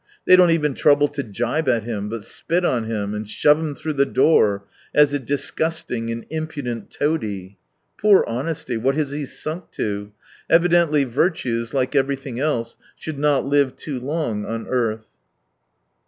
They don't even trouble to gibe at him, but spit on him and shove him through the door, as a disgusting and impudent toady. Poor honesty ! What has he sunk to ! Evidently virtues, like everything else, should not live too long on earth.